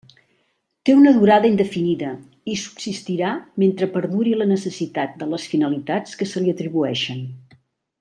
Té una durada indefinida i subsistirà mentre perduri la necessitat de les finalitats que se li atribueixen.